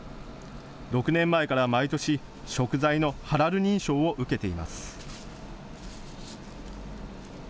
６年前から毎年、食材のハラル認証を受けています。